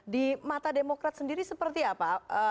di mata demokrat sendiri seperti apa